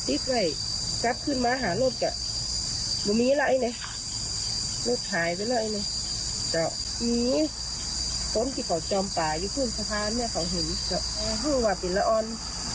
ตอนที่เขาจอมป่าอยู่ขึ้นสะพานเนี่ยเขาเห็นก็คือว่าเป็นละออน